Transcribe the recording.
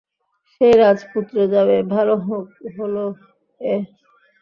সেই রাজপুত্র যাবে ভালহোল-এ।